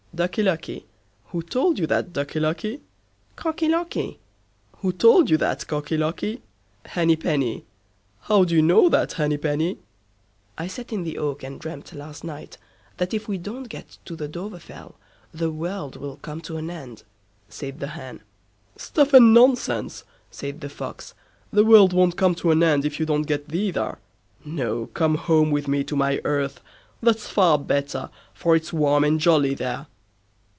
"Ducky Lucky." "Who told you that, Ducky Lucky?" "Cocky Locky." "Who told you that, Cocky Locky?" "Henny Penny." "How do you know that, Henny Penny?" "I sat in the oak and dreamt last night, that if we don't get to the Dovrefell, the world will come to an end", said the Hen. "Stuff and nonsense", said the Fox; "the world won't come to an end if you don't get thither. No! come home with me to my earth. That's far better, for it's warm and jolly there."